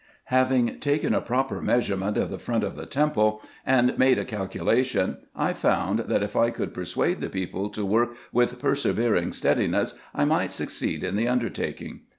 Having taken a proper measurement of the front of the temple, and made a calculation, I found, that, if I could persuade the people to work with persevering steadiness, I might succeed in the under taking.